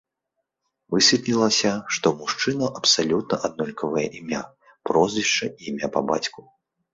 Высветлілася, што ў мужчынаў абсалютна аднолькавыя імя, прозвішча і імя па бацьку.